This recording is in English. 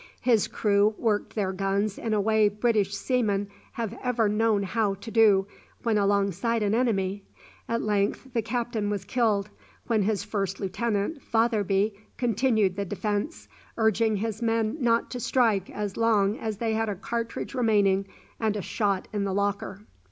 His crew worked their guns in a way British seamen have ever known how to do when alongside an enemy. At length the captain was killed, when his First Lieutenant, Fotherby, continued the defence, urging his men not to strike as long as they had a cartridge remaining and a shot in the locker.